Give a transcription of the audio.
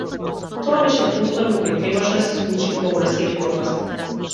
Тоа беше простор во кој требаше да се случи прогрес или пропаст.